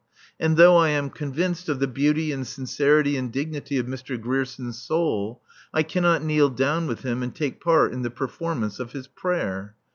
And though I am convinced of the beauty and sincerity and dignity of Mr. Grierson's soul I cannot kneel down with him and take part in the performance of his prayer.